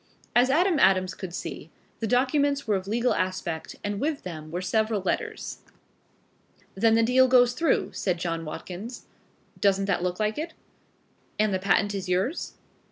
As Adam Adams could see, the documents were of legal aspect and with them were several letters. "Then the deal goes through," said John Watkins. "Doesn't that look like it?" "And the patent is yours?"